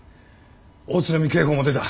大津波警報も出た。